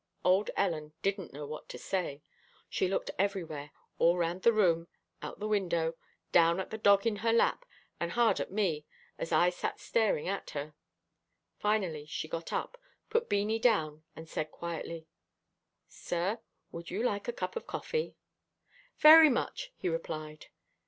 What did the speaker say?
Old Ellen didn't know what to say. She looked everywhere all round the room, out the window, down at the dog in her lap, and hard at me, as I sat staring at her. Finally she got up, put Beanie down, and said quietly, "Sir, would you like a cup of coffee?" "Very much," he replied.